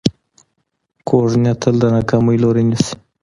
کوږ نیت تل د ناکامۍ لوری نیسي